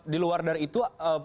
di luar dari itu